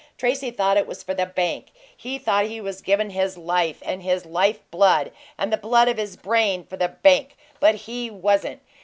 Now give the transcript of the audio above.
Tracy thought it was for the bank; he thought he was givin' his life and his life blood and the blood of his brain for the bank, but he wasn't.